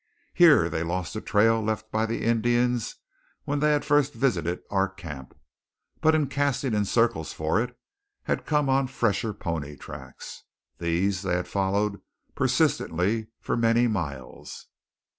Here they lost the trail left by the Indians when they had first visited our camp; but in casting in circles for it had come on fresher pony tracks. These they had followed persistently for many miles.